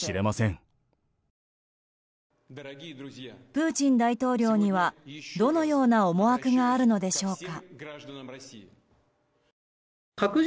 プーチン大統領にはどのような思惑があるのでしょうか。